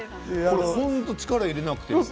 本当に力入れなくて。